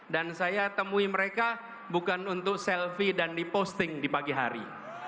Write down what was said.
dan saya temui mereka bukan untuk selfie dan diposting di pagi hari